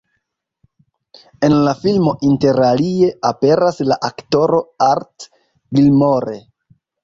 En la filmo interalie aperas la aktoro Art Gilmore.